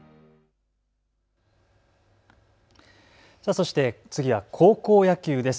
そして次は高校野球です。